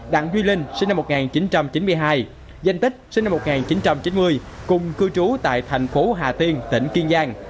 đặng duy linh sinh năm một nghìn chín trăm chín mươi hai danh tích sinh năm một nghìn chín trăm chín mươi cùng cư trú tại thành phố hà tiên tỉnh kiên giang